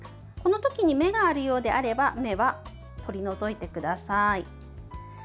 このときに芽があるようであれば芽は取り除いてください。